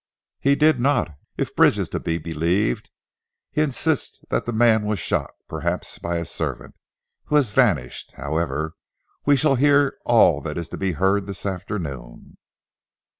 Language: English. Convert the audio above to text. "He did not, if Bridge is to be believed. He insists that the man was shot perhaps by his servant, who has vanished. However we shall hear all that is to be heard this afternoon."